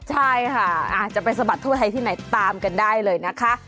ใช่ค่ะอาจจะไปสะบัดทั่วไทยที่ไหนตามกันได้เลยนะคะ